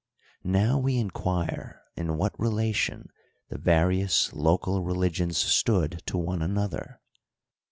Now, we inquire in what relation the various local re ligions stood to one another.